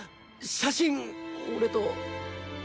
写真俺と。